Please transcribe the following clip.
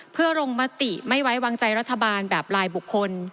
เพื่อลงมติไม่ไว้วางใจรัฐบาลแบบลายบุคคล